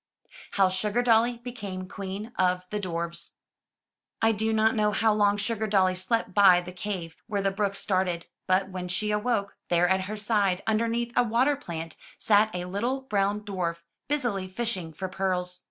HOW SUGARDOLLY BECAME QUEEN OF THE DWARFS I do not know how long Sugardolly slept by the cave where the brook started, but when she awoke, there at her side, underneath a water plant, sat a little brown dwarf, busily fishing for pearls.